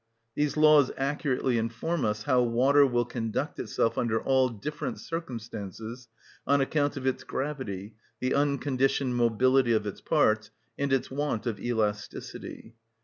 These laws accurately inform us how water will conduct itself under all different circumstances, on account of its gravity, the unconditioned mobility of its parts, and its want of elasticity.